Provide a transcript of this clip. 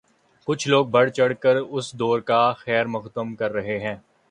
کچھ لوگ بڑھ چڑھ کر اس دورے کا خیر مقدم کر رہے ہیں۔